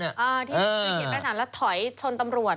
ที่เขียนใบสั่งแล้วถอยชนตำรวจ